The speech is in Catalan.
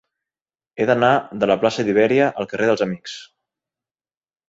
He d'anar de la plaça d'Ibèria al carrer dels Amics.